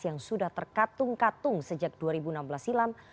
yang sudah terkatung katung sejak dua ribu enam belas silam